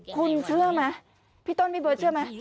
คุณเชื่อไหมพี่ต้นพี่เบิร์ดเชื่อไหม